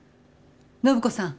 暢子さん。